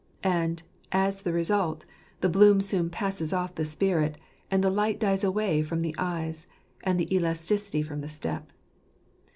And, as the result, the bloom soon passes off the spirit, and the light dies away from the eyes, and the elasticity from the step.